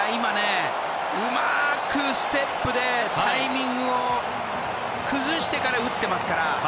うまくステップでタイミングを崩してから打っていますから。